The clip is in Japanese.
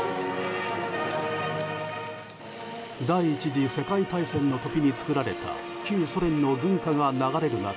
第１次世界大戦の時に作られた旧ソ連の軍歌が流れる中